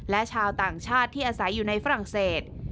และชาวต่างชาติที่อาศัยอยู่ในฝรั่งเศส